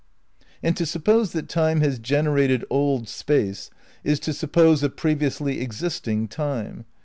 And to suppose that Time has generated old Space is to suppose a previously existing Time.